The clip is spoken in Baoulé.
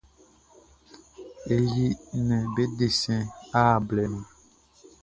E yi nnɛnʼm be desɛn art blɛ nun.